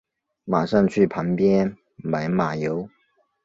马上去旁边买马油